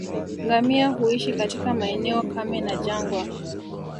Ngamia huishi katika maeneo kame na jangwa